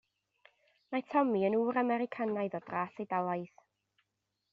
Mae Tommy yn ŵr Americanaidd o dras Eidalaidd.